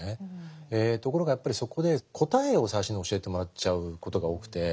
ところがやっぱりそこで答えを最初に教えてもらっちゃうことが多くて。